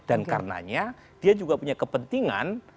dan karenanya dia juga punya kepentingan